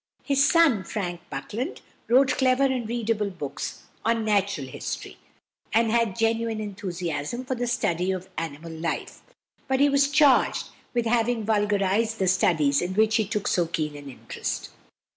His son, =Frank Buckland (1826 1880)=, wrote clever and readable books on "Natural History," and had genuine enthusiasm for the study of animal life; but he was charged with having vulgarised the studies in which he took so keen an interest.